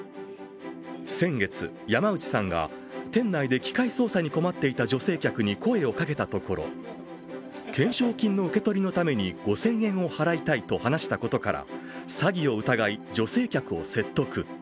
先月、山内さんが、店内で機械操作に困っていた女性客に声をかけたところ懸賞金の受け取りのために５０００円を払いたいと話したことから詐欺を疑い、女性客を説得。